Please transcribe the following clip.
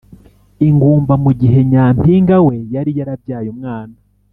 ingumba mu gihe Nyampinga we yari yarabyaye umwana